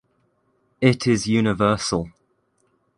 It is universal.